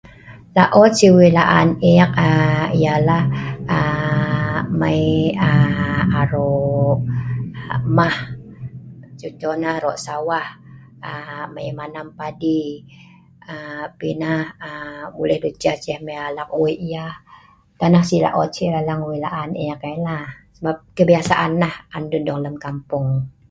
Laot sik weik laan e’ek ialah mei arok hmeh contoh nya arok sawah Mei manam padi pi neh boleh mei alak weik nonah sik laot nok weik laan e’ek ai la sebab kebiasaan neh on lun dong lem kampung